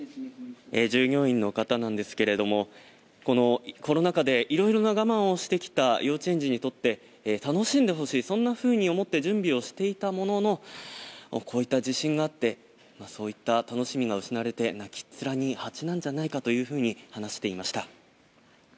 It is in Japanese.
従業員の方なんですがコロナ禍で色々な我慢をしてきた幼稚園児にとって楽しんでほしいそんなふうに思って準備をしていたもののこういった地震があってそういった楽しみが失われて泣きっ面に蜂なんじゃないかと話していました。